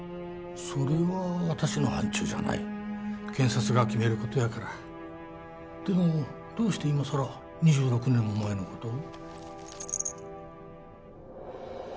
それは私の範ちゅうじゃない検察が決めることやからでもどうして今更２６年も前のことを？